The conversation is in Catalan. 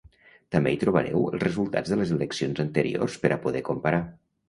També hi trobareu els resultats de les eleccions anteriors per a poder comparar.